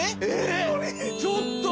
ちょっと！